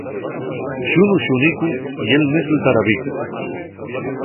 Xunu xunicu ye'l mes del tarabicu.